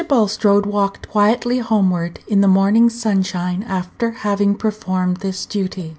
Bulstrode walked quietly homeward in the morning sunshine after having performed this duty.